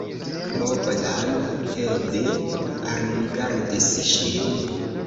Bogdan tede alrigardis ŝin.